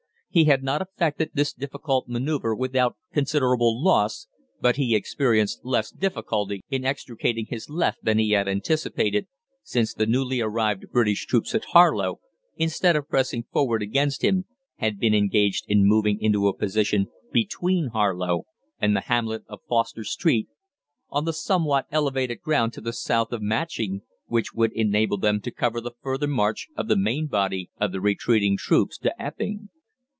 He had not effected this difficult manoeuvre without considerable loss, but he experienced less difficulty in extricating his left than he had anticipated, since the newly arrived British troops at Harlow, instead of pressing forward against him, had been engaged in moving into a position between Harlow and the hamlet of Foster Street, on the somewhat elevated ground to the south of Matching, which would enable them to cover the further march of the main body of the retreating troops to Epping.